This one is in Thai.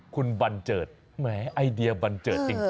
คุณบันเจิดแหมไอเดียบันเจิดจริง